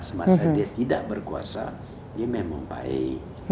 semasa dia tidak berkuasa dia memang baik